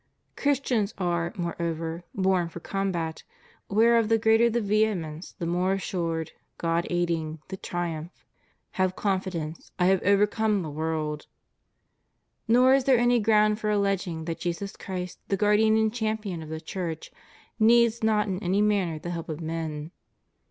Christians are, moreover, born for combat, whereof the greater the vehemence, the more assured, God aiding, the triumph: Have confidence; I have overcome the world} Nor is there any ground for alleging that Jesus Christ, the Guardian and Champion of the Church, needs not in any manner the help of men.